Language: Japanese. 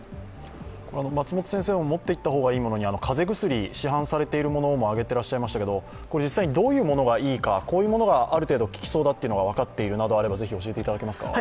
松本先生が持っていった方がいいものに風邪薬も挙げていましたが実際、どういうものがいいかこういうものがある程度効きそうだというのが分かっているなどあれば、ぜひ教えていただけますか。